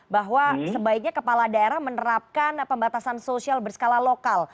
bahwa sebaiknya kepala daerah menerapkan pembatasan sosial berskala lokal